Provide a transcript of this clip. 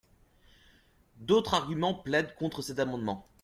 D’autres arguments plaident contre cet amendement.